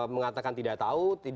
mengatakan tidak tahu